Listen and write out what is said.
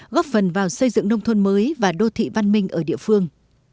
góp phần vào xây dựng nông thôn mới và đô thị văn minh ở địa phương